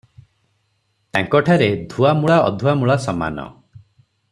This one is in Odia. ତାଙ୍କଠାରେ ଧୁଆ ମୂଳା ଅଧୁଆ ମୂଳା ସମାନ ।